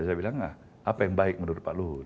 saya bilang apa yang baik menurut pak luhut